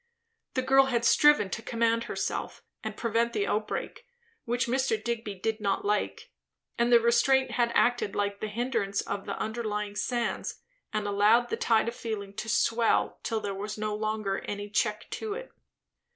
The girl had striven to command herself and prevent the outbreak which Mr. Digby did not like; and the restraint had acted like the hindrance of the underlying sands, and allowed the tide of feeling to swell till there was no longer any check to it.